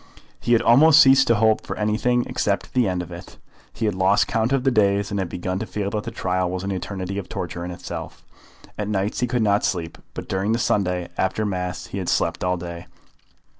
He had almost ceased to hope for anything except the end of it. He had lost count of the days, and had begun to feel that the trial was an eternity of torture in itself. At nights he could not sleep, but during the Sunday, after Mass, he had slept all day.